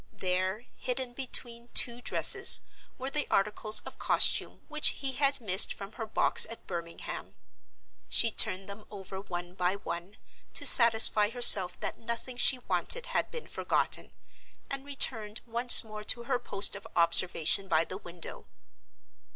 There, hidden between two dresses, were the articles of costume which he had missed from her box at Birmingham. She turned them over one by one, to satisfy herself that nothing she wanted had been forgotten, and returned once more to her post of observation by the window.